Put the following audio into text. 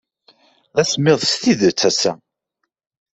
D asemmiḍ s tidet ass-a.